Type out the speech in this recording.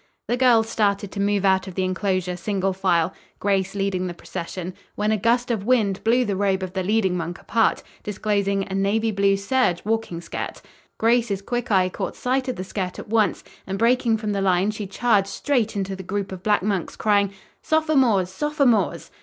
The girls started to move out of the enclosure single file, Grace leading the procession, when a gust of wind blew the robe of the leading monk apart, disclosing a navy blue serge walking skirt. Grace's quick eye caught sight of the skirt at once, and breaking from the line, she charged straight into the group of black monks, crying: "Sophomores! Sophomores!"